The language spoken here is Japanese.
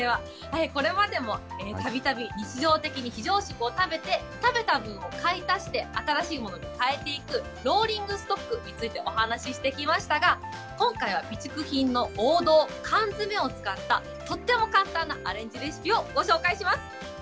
では、これまでもたびたび、日常的に非常食を食べて、食べた分を買い足して新しいものに変えていく、ローリングストックについてお話してきましたが、今回は備蓄品の王道、缶詰を使った、とっても簡単なアレンジレシピをご紹介します。